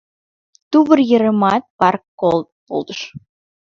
Тувыр йыремат пар полдыш